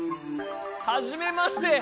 はじめまして！